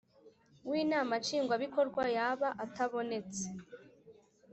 w Inama Nshingwabikorwa yaba atabonetse